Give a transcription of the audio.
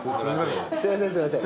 すいませんすいません。